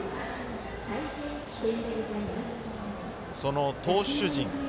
その投手陣。